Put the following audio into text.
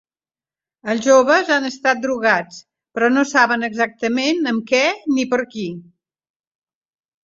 Els joves han estat drogats, però no saben exactament amb què ni per qui.